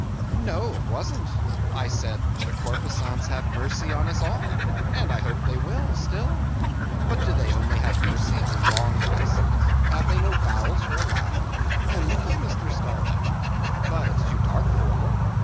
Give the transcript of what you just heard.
"No, no, it wasn't; I said the corpusants have mercy on us all; and I hope they will, still. But do they only have mercy on long faces?—have they no bowels for a laugh? And look ye, Mr. Starbuck—but it's too dark to look.